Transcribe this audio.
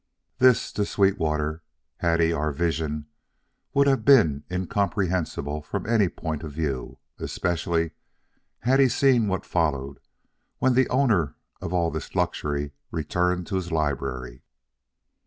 This, to Sweetwater, had he our vision, would have been incomprehensible from any point of view; especially, had he seen what followed when the owner of all this luxury returned to his library.